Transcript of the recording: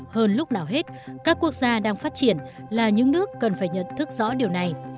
hơn lúc nào hết các quốc gia đang phát triển là những nước cần phải nhận thức rõ điều này